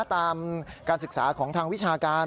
ตามการศึกษาของทางวิชาการ